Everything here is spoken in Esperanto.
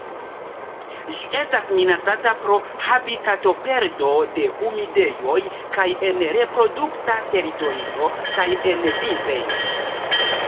Ĝi estas minacata pro habitatoperdo de humidejoj kaj en reprodukta teritorio kaj en vintrejoj.